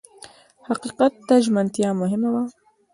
حقیقت ته ژمنتیا مهمه وه.